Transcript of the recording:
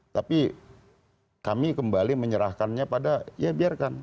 tapi kami kembali menyerahkannya pada ya biarkan